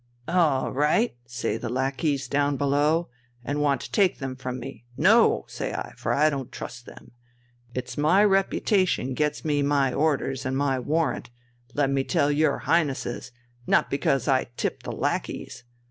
'All right,' say the lackeys down below, and want to take them from me, 'No!' say I, for I don't trust them. It's my reputation gets me my orders and my warrant, let me tell your Highnesses, not because I tip the lackeys.